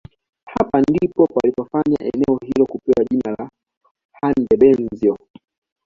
Hapa ndipo palipofanya eneo hilo kupewa jina la Handebezyo